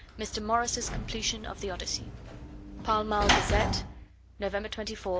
MR. MORRIS'S COMPLETION OF THE ODYSSEY (Pall Mall Gazette, November 24, 1887.)